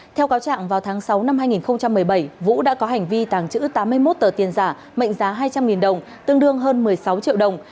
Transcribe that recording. theo cáo trạng vào tháng sáu năm hai nghìn một mươi bảy vũ đã có hành vi tàng trữ tám mươi một tờ tiền giả mệnh giá hai trăm linh đồng tương đương hơn một mươi sáu triệu đồng